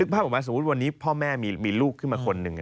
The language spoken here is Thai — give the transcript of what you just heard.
ภาพออกมาสมมุติวันนี้พ่อแม่มีลูกขึ้นมาคนหนึ่ง